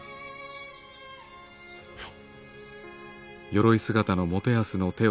はい。